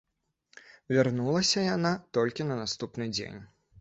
Вярнулася яна толькі на наступны дзень.